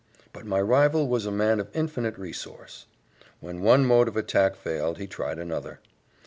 But my rival was a man of infinite resource; when one mode of attack failed, he tried another.